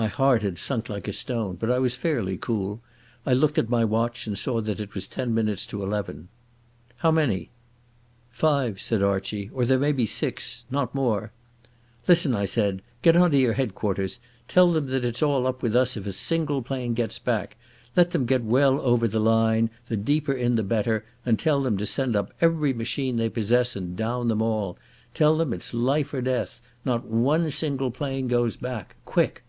My heart had sunk like a stone, but I was fairly cool. I looked at my watch and saw that it was ten minutes to eleven. "How many?" "Five," said Archie. "Or there may be six—not more." "Listen!" I said. "Get on to your headquarters. Tell them that it's all up with us if a single plane gets back. Let them get well over the line, the deeper in the better, and tell them to send up every machine they possess and down them all. Tell them it's life or death. Not one single plane goes back. Quick!"